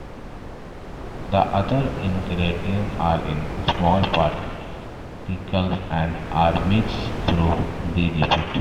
The other ingredients are in small particles and are mixed through the lipid.